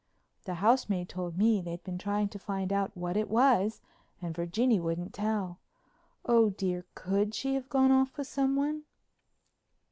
The housemaid told me they'd been trying to find out what it was and Virginie wouldn't tell. Oh, dear, could she have gone off with someone?"